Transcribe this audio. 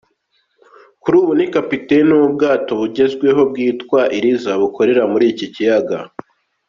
Kuri ubu ni capiteni w’ubwato bugezweho bwitwa ‘Iriza’ bukorera muri iki kiyaga.